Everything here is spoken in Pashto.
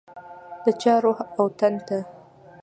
د چا روح او تن ته